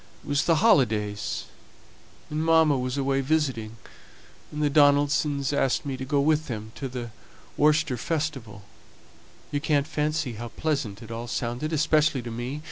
It was the holidays, and mamma was away visiting, and the Donaldsons asked me to go with them to the Worcester Festival. You can't fancy how pleasant it all sounded, especially to me.